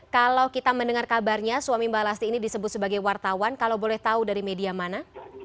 kalau kita mendengar kabarnya suami mbak lasti ini disebut sebagai wartawan kalau boleh tahu dari media mana